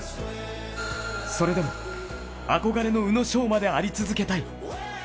それでも、憧れの宇野昌磨であり続けたい。